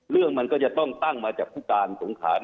เรื่องมันก็จะต้องตั้งมาจากผู้การสงขา